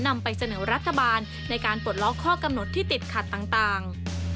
นำไปเสนอรัฐบาลในการปลดล็อกข้อกำหนดที่ติดขัดต่าง